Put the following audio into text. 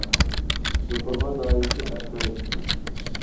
يوپۇرغا ناھىيەسى ئەشمە يېزىسى